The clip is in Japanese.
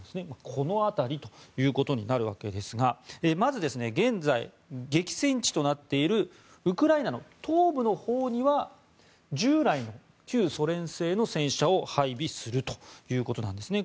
この辺りということになるわけですがまず、現在、激戦地となっているウクライナの東部のほうには従来の旧ソ連製の戦車を配備するということなんですね。